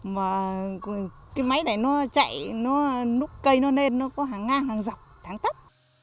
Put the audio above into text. mà cái máy này nó chạy nó núp cây nó lên nó có hàng ngang hàng dọc hàng tấp